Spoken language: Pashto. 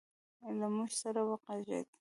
له موږ سره وغږېد